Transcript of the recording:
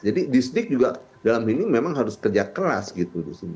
jadi distrik juga dalam ini memang harus kerja keras gitu